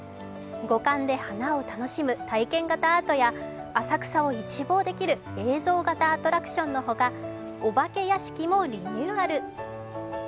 五感で花を楽しむ体験型アートや浅草を一望できる映像型アトラクションのほか、お化け屋敷もリニューアル。